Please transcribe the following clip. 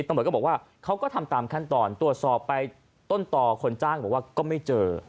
ตำรวจก็บอกว่าเขาก็ทำตามขั้นตอนตรวจสอบไปต้นต่อคนจ้างบอกว่าก็ไม่เจอ